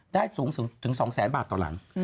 ได้ถึงสูงสามแสนบาทต่อหลัง